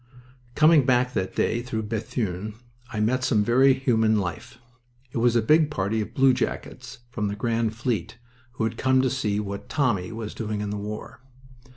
Coming back that day through Bethune I met some very human life. It was a big party of bluejackets from the Grand Fleet, who had come to see what "Tommy" was doing in the war.